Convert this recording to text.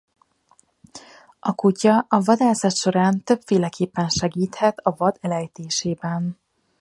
A kutya a vadászat során többféleképpen segíthet a vad elejtésében.